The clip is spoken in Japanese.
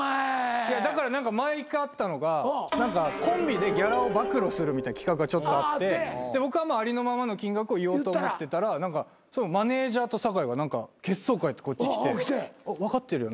いやだから何か前一回あったのがコンビでギャラを暴露するみたいな企画があってで僕はありのままの金額を言おうと思ってたらマネジャーと酒井が何か血相変えてこっち来て「分かってるよな？」